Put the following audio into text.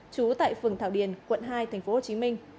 trú tại phường thảo điền quận hai thành phố hồ chí minh